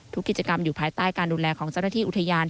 กิจกรรมอยู่ภายใต้การดูแลของเจ้าหน้าที่อุทยาน